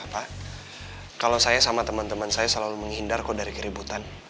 kalau saya sama teman teman saya selalu menghindar kok dari keributan